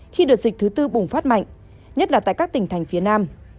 khi đợt dịch thứ tư bùng phát mạnh nhất là tại các tỉnh thành phía nam